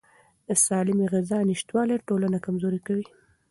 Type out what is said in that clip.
د سالمې غذا نشتوالی ټولنه کمزوري کوي.